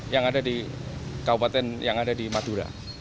yang ada di kabupaten madura